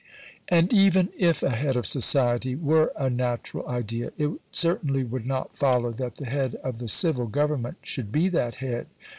And even if a head of society were a natural idea, it certainly would not follow that the head of the civil Government should be that head.